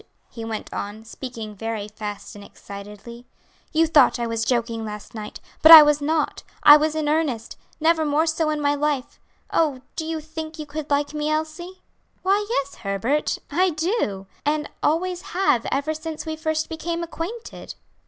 he went on, speaking very fast and excitedly. "You thought I was joking last night, but I was not, I was in earnest; never more so in my life. Oh, do you think you could like me, Elsie?" "Why, yes, Herbert; I do, and always have ever since we first became acquainted."